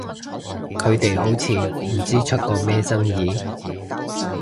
佢哋好似唔知出過咩爭議？